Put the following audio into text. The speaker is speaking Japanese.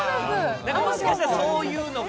もしかしたらそういうのが。